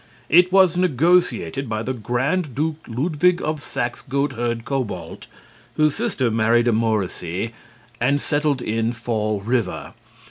It was negotiated by the Grand Duke Ludwig of Saxe Goatherd Cobalt, whose sister married a Morrisey and settled in Fall River.